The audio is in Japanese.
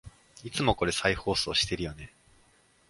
いつもこれ再放送してるよね